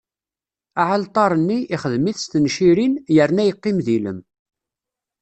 Aɛalṭar-nni, ixdem-it s tencirin, yerna yeqqim d ilem.